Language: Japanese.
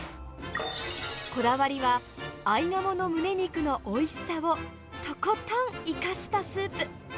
こだわりは、アイガモのムネ肉のおいしさを、とことん生かしたスープ。